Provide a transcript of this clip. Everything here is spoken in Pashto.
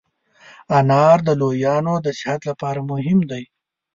انار د لویانو د صحت لپاره مهم دی.